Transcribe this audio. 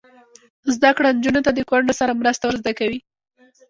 زده کړه نجونو ته د کونډو سره مرسته ور زده کوي.